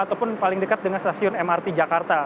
ataupun paling dekat dengan stasiun mrt jakarta